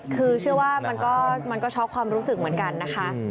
คือเชื่อว่ามันก็ช็อกความรู้สึกเหมือนกันนะคะ